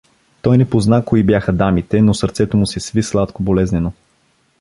Той не позна кои бяха дамите, но сърцето му се сви сладко-болезнено.